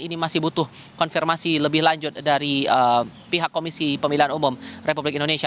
ini masih butuh konfirmasi lebih lanjut dari pihak komisi pemilihan umum republik indonesia